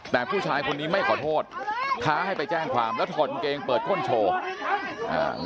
แต่ผู้ชายคนนี้ไม่ขอโทษท้าให้ไปแจ้งความแล้วถอดกางเกงเปิดก้นโชว์อ่า